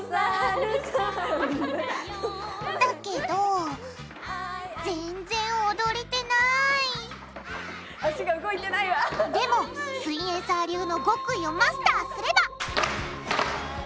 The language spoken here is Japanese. だけどぜんぜん踊れてないでもすイエんサー流の極意をマスターすれば！